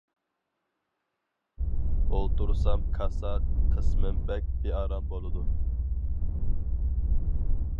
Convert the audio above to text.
. ئولتۇرسام كاسا قىسمىم بەك بىئارام بولىدۇ.